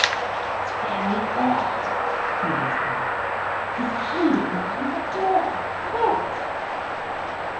'It's very odd,' he whispered, 'he's hiding behind the door! Look!